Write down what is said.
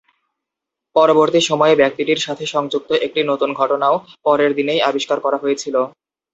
পরবর্তী সময়ে, ব্যক্তিটির সাথে সংযুক্ত একটি নতুন ঘটনাও পরের দিনেই আবিষ্কার করা হয়েছিল।